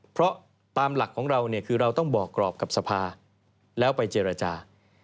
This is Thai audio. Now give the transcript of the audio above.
เพราะตามหลักของเราเนี่ยคือเราต้องบอกกรอบกับสภาแล้วไปเจรจา